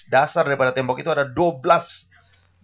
dasar daripada tembok itu ada dua belas batu